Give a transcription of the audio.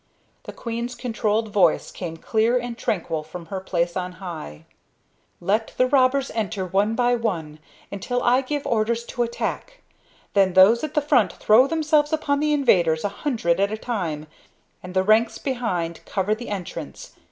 The queen's controlled voice came clear and tranquil from her place on high: "Let the robbers enter one by one until I give orders to attack. Then those at the front throw themselves upon the invaders a hundred at a time, and the ranks behind cover the entrance.